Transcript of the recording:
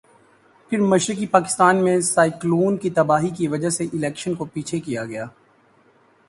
پھر مشرقی پاکستان میں سائیکلون کی تباہی کی وجہ سے الیکشن کو پیچھے کیا گیا۔